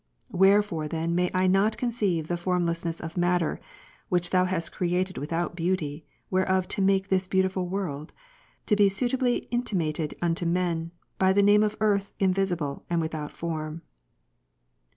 Wherefore then may I not conceive the form lessness of matter (which Thou hadst created without beauty, whereof to make this beautiful world) to be suitably inti mated unto men, by the name of earth invisible and ivith out form?